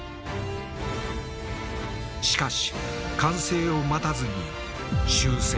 しかし完成を待たずに終戦。